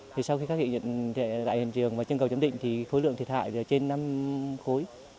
thì sau khi các vị nhận lại hiện trường và chân cầu chấm định thì khối lượng thiệt hại là trên năm khối